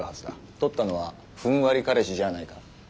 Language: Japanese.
撮ったのはふんわり彼氏じゃあないか？